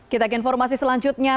kita ke informasi selanjutnya